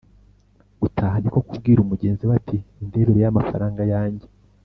gutaha. Niko kubwira mugenzi we ati: “Undebere ya mafaranga yange,